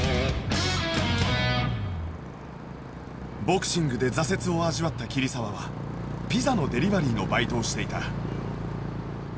ボクシングで挫折を味わった桐沢はピザのデリバリーのバイトをしていた